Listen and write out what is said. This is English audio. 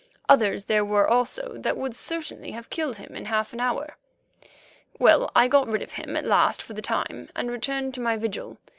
Others there were also that would certainly have killed him in half an hour. Well, I got rid of him at last for the time, and returned to my vigil.